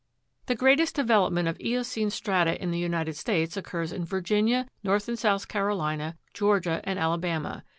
6. The greatest development of eocene strata in the United States occurs in Virginia, North and South Carolina, Georgia, and Alabama.